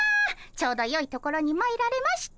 ちょうどよいところにまいられました。